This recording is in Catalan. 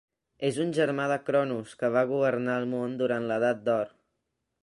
És un germà de Cronos, que va governar el món durant l'edat d'or